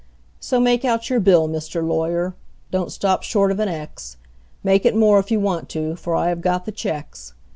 So make out your bill, Mr. Lawyer: don't stop short of an X; Make it more if you want to, for I have got the checks.